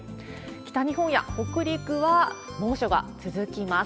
北日本や北陸は猛暑が続きます。